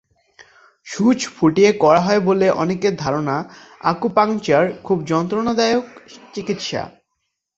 সুচ ফুটিয়ে করা হয় বলে অনেকের ধারণা আকুপাঙ্কচার খুব যন্ত্রণাদায়ক চিকিৎসা।